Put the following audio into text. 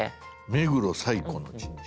「目黒最古の神社」。